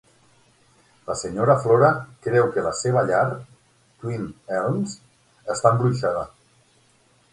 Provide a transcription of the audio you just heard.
La senyora Flora creu que la seva llar, Twin Elms, està embruixada.